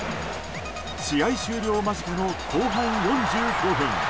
試合終了間近の後半４５分。